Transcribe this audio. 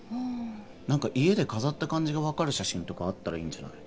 何か家で飾った感じが分かる写真とかあったらいいんじゃない？